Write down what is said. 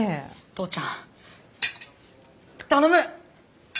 父ちゃん頼む！